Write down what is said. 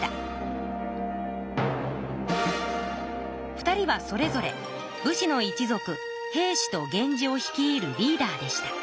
２人はそれぞれ武士の一族平氏と源氏を率いるリーダーでした。